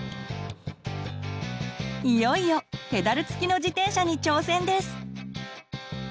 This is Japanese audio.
いよいよペダル付きの自転車に挑戦です！